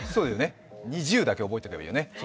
ＮｉｚｉＵだけ覚えておけばいいよね。